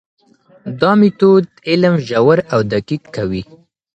دا مېتود علم ژور او دقیق کوي.